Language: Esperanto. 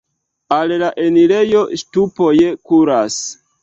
Al la enirejo ŝtupoj kuras.